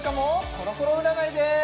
コロコロ占いです